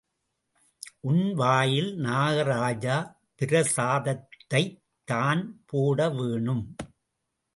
உன் வாயில் நாகராஜா பிரசாதத்தைத்தான் போடவேணும்.